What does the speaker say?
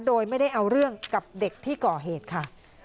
โดยไม่ได้เอาเรื่องกับเด็กที่ก่อเหตุค่ะ